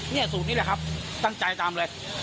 นี่สูวนี้เลยครับตั้งใจตามเลย